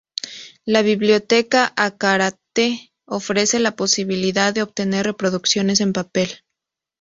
La Biblioteca Azcárate ofrece la posibilidad de obtener reproducciones en papel.